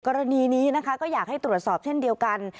กรณีนี้นะคะก็อยากให้ตรวจสอบเช่นเดียวกัน